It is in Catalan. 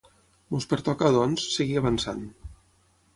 Ens pertoca, doncs, seguir avançant.